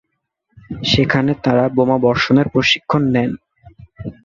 সেখানে তারা বোমাবর্ষণের প্রশিক্ষণ নেন।